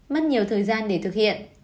mất nhiều thời gian để thực hiện